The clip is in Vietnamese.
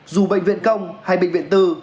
dù bệnh viện công hay bệnh viện tư